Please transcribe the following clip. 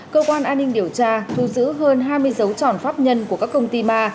cơ quan an ninh điều tra thu giữ hơn hai mươi dấu tròn pháp nhân của các công ty ma